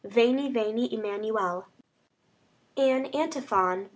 VENI, VENI, EMMANUEL! An antiphon.